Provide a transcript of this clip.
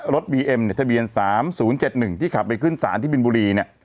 รถบีเอ็มเนี้ยทะเบียนสามศูนย์เจ็ดหนึ่งที่ขับไปขึ้นสารที่บิลบุรีเนี้ย